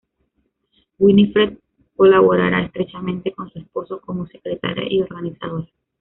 Winifred colaborará estrechamente con su esposo, como secretaria y organizadora.